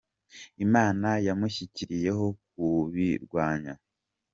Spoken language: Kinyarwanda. Imana yamushyiriyeho kubirwanya